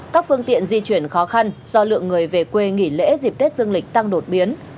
các phương tiện di chuyển khó khăn do lượng người về quê nghỉ lễ dịp tết dương lịch tăng đột biến